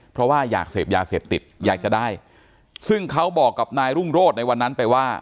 เพราะว่าอยากเสพยาเสพติดอยากจะได้ซึ่งเขาบอกกับนายรุ่งโรธในวันนั้นไปว่า